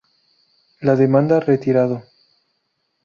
La demanda retirado.